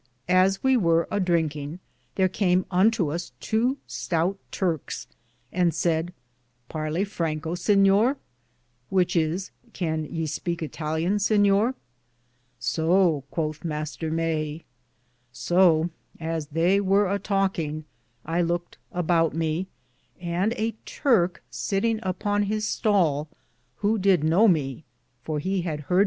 As we weare a drinkinge, thare came unto us tow stout Turkes, and sayd : Parlye Francko, sinyore ? which is : Can ye speake Ittal lian, sinyor? Soe cothe Mr. Maye. Soe, as theye weare a talkinge, I louked aboute me, and a Turke, settinge upon his stale (stall), who did know me — for he had hard me MR.